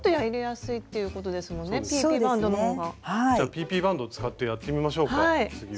じゃあＰＰバンドを使ってやってみましょうか次は。